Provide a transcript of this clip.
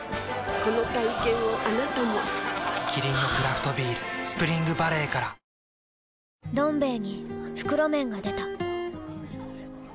この体験をあなたもキリンのクラフトビール「スプリングバレー」から「どん兵衛」に袋麺が出た